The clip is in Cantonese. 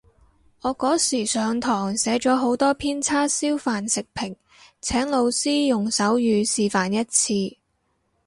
我嗰時上堂寫咗好多篇叉燒飯食評，請老師用手語示範一次